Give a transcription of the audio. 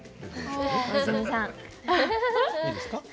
いいですか？